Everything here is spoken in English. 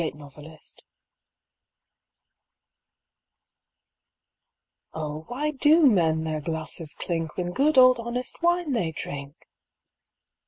THE FIVE SENSES Oh, why do men their glasses clink When good old honest wine they drink?